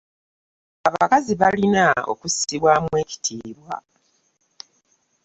Abakazi balina okussibwamu ekitiibwa.